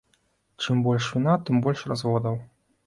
Чым больш віна, тым больш разводаў.